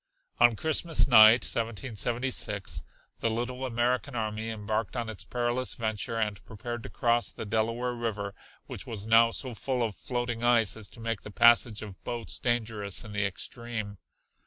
On Christmas night, 1776, the little American army embarked on its perilous venture, and prepared to cross the Delaware River which was now so full of floating ice as to make the passage of boats dangerous in the extreme.